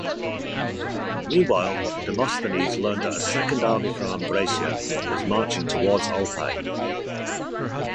Meanwhile, Demosthenes learned that a second army from Ambracia was marching towards Olpae.